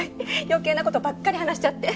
余計な事ばっかり話しちゃって。